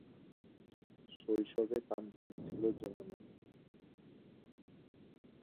শৈশবে তার নাম ছিল যমুনা।